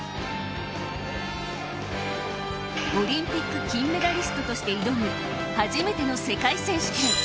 オリンピック金メダリストとして挑む初めての世界選手権。